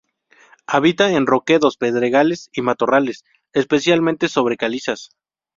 Habita en roquedos, pedregales y matorrales, especialmente sobre calizas.